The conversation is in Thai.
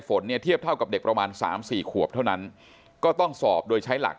ฝนเนี่ยเทียบเท่ากับเด็กประมาณ๓๔ขวบเท่านั้นก็ต้องสอบโดยใช้หลัก